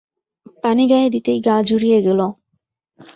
পানি গায়ে দিতেই গা জুড়িয়ে গেল।